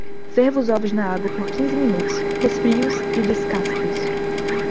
Ferva os ovos na água por quinze minutos, resfrie-os e descasque-os.